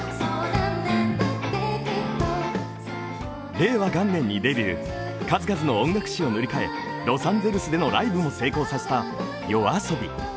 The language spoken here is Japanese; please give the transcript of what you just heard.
令和元年にデビュー、数々の音楽史を塗り替えロサンゼルスでのライブも成功させたＹＯＡＳＯＢＩ。